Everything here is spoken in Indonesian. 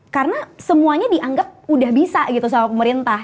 karena semuanya dianggap udah bisa gitu sama pemerintah